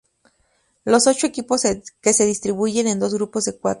Los ocho equipos que se distribuyen en dos grupos de cuatro.